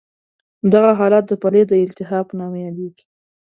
دغه حالت د پلې د التهاب په نامه یادېږي.